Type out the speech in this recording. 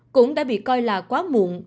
cũng đã bị coi là quá muộn